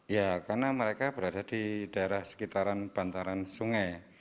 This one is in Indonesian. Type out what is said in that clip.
ya karena mereka berada di daerah sekitaran bantaran sungai